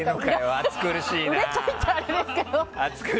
熱苦しいな！